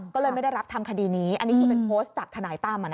ก็เลยไม่ได้รับทำคดีนี้อันนี้คือเป็นโพสต์จากทนายตั้ม